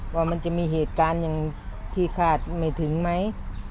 ว่ามันจะมีเหตุการณ์อย่างที่คาดไม่ถึงไหม